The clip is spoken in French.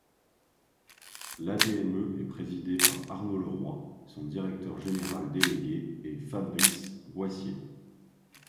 L'Ademe est présidée par Arnaud Leroy, son directeur général délégué est Fabrice Boissier.